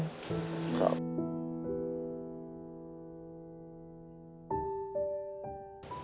ผมคิดว่าสงสารแกครับ